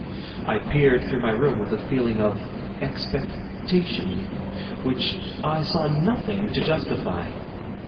I peered through my room with a feeling of expectation which I saw nothing to justify.